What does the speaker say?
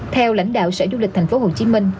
theo lãnh đạo sở du lịch thành phố hồ chí minh